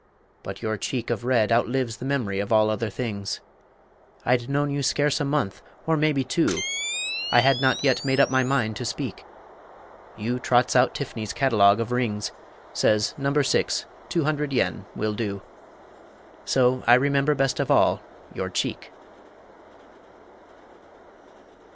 But your cheek of red Outlives the mem'ry of all other things. I'd known you scarce a month, or maybe two; I had not yet made up my mind to speak, You trots out Tifny's catalogue of rings; Says No. 6 (200 yen) will do. So I remember best of all your cheek.